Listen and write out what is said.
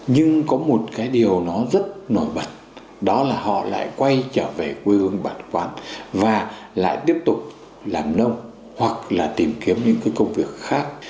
nhưng có một cái điều nó rất nổi bật đó là họ lại quay trở về quê hương bản quán và lại tiếp tục làm nông hoặc là tìm kiếm những cái công việc khác